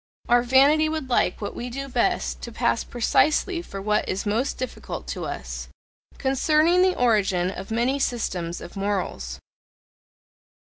Our vanity would like what we do best to pass precisely for what is most difficult to us. Concerning the origin of many systems of morals.